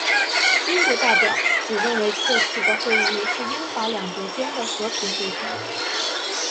英国代表只认为这次的会议是英法两国间的和平会谈。